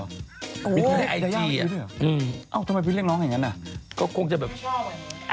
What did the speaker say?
เหรออืมเอ้าทำไมพี่เรียกน้องอย่างนั้นอ่ะก็คงจะแบบไม่ชอบ